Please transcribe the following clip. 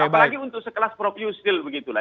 apalagi untuk sekelas prof yusril begitu lah